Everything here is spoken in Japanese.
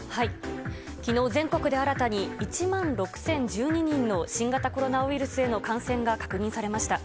きのう、全国で新たに１万６０１２人の新型コロナウイルスへの感染が確認されました。